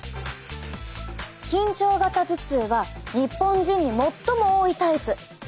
緊張型頭痛は日本人に最も多いタイプ。